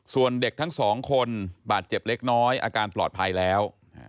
ส่วนเด็กทั้งสองคนบาดเจ็บเล็กน้อยอาการปลอดภัยแล้ว